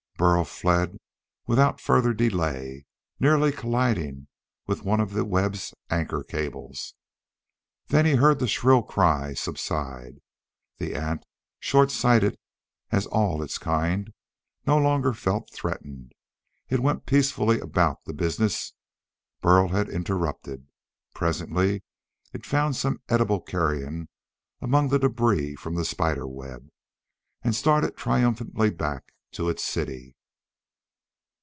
Burl fled without further delay, nearly colliding with one of the web's anchor cables. Then he heard the shrill outcry subside. The ant, short sighted as all its kind, no longer felt threatened. It went peacefully about the business Burl had interrupted. Presently it found some edible carrion among the debris from the spider web and started triumphantly back to its city.